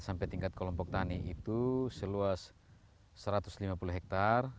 sampai tingkat kelompok tani itu seluas satu ratus lima puluh hektare